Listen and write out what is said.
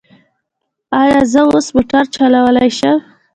ایا زه اوس موټر چلولی شم؟